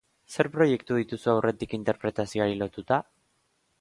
Zer proiektu dituzu aurretik interpretazioari lotuta?